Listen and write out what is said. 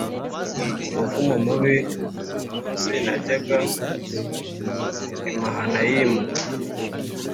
umuvumo mubi umunsi najyaga i Mahanayimu